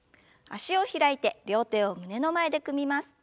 脚を開いて両手を胸の前で組みます。